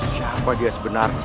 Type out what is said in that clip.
siapa dia sebenarnya